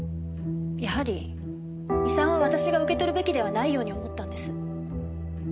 やはり遺産は私が受け取るべきではないように思ったんです。